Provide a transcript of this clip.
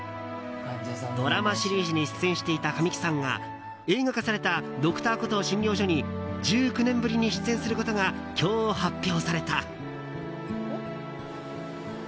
ドラマシリーズに出演していた神木さんが映画化された「Ｄｒ．コトー診療所」に１９年ぶりに出演することが今日、発表された。